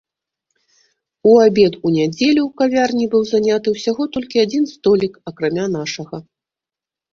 У абед у нядзелю ў кавярні быў заняты ўсяго толькі адзін столік, акрамя нашага.